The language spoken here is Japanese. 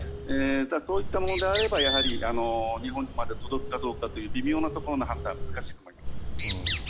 そういったものであれば日本まで届くかどうか微妙なところの判断難しいと思います。